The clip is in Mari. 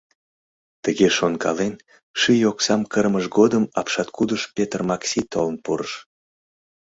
Тыге шонкален, ший оксам кырымыж годым апшаткудыш Петр Макси толын пурыш.